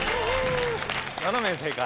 ７名正解。